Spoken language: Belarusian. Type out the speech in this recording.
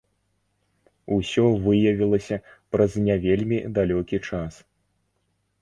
Усё выявілася праз не вельмі далёкі час.